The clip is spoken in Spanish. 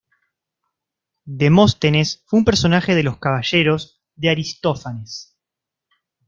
Demóstenes fue un personaje de "Los caballeros" de Aristófanes.